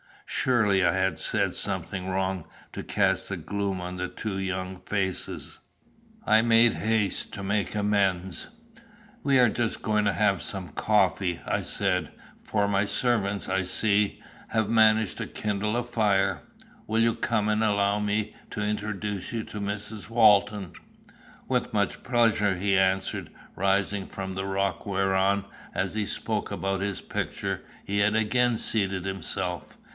Surely I had said something wrong to cast a gloom on two young faces. I made haste to make amends. "We are just going to have some coffee," I said, "for my servants, I see, have managed to kindle a fire. Will you come and allow me to introduce you to Mrs. Walton?" "With much pleasure," he answered, rising from the rock whereon, as he spoke about his picture, he had again seated himself.